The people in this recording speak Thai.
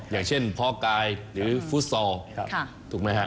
อย่างเช่นพอร์กไกด์หรือฟุตซอลถูกไหมครับ